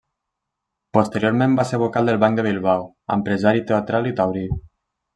Posteriorment va ser vocal del Banc de Bilbao, empresari teatral i taurí.